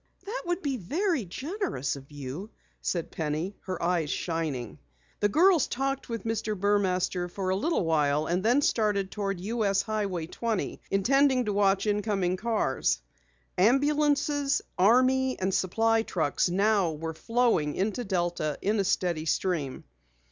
"It would be very generous of you," said Penny, her eyes shining. The girls talked with Mr. Burmaster for a little while and then started toward US highway 20, intending to watch incoming cars. Ambulances, army and supply trucks now were flowing into Delta in a steady stream.